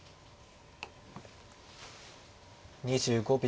２５秒。